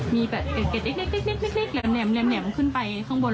มีแบบเกร็ดเล็กแหลมขึ้นไปข้างบน